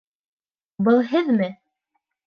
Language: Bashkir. Был һеҙме?